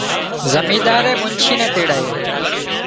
زمينۮارئي منچي نين تيڙايو